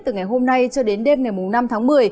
từ ngày hôm nay cho đến đêm ngày năm tháng một mươi